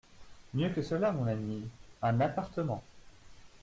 Mieux que cela, mon ami… un appartement.